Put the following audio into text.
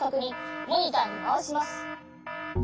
モニターにまわします。